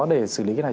để xử lý cái này